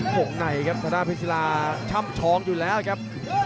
หกในครับสาธารณ์พิษีลาช่ำชองอยู่แล้วครับ